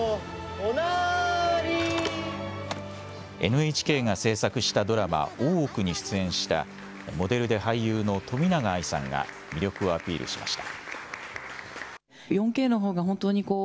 ＮＨＫが制作したドラマ、大奥に出演したモデルで俳優の冨永愛さんが魅力をアピールしました。